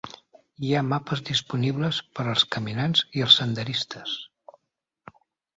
Hi ha mapes disponibles per als caminants i els senderistes.